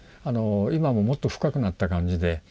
今ももっと深くなった感じで。